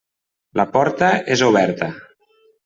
La porta és oberta.